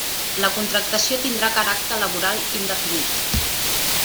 La contractació tindrà caràcter laboral indefinit.